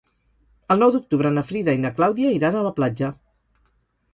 El nou d'octubre na Frida i na Clàudia iran a la platja.